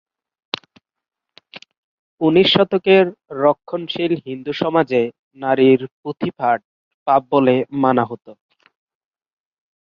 উনিশ শতকের রক্ষণশীল হিন্দু সমাজে নারীর পুঁথি পাঠ পাপ বলে মানা হত।